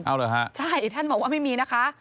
เอาเหรอฮะใช่ท่านบอกว่าไม่มีนะคะ